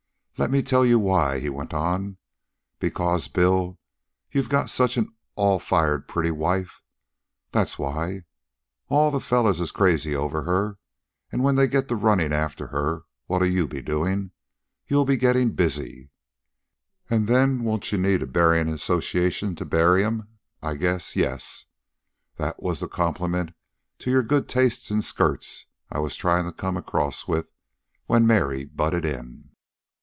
"Let me tell you why," he went on. "Because, Bill, you got such an all fired pretty wife, that's why. All the fellows is crazy over her, an' when they get to runnin' after her, what'll you be doin'? You'll be gettin' busy. And then won't you need a buryin' association to bury 'em? I just guess yes. That was the compliment to your good taste in skirts I was tryin' to come across with when Mary butted in."